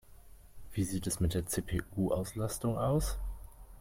Wie sieht es mit der CPU-Auslastung aus?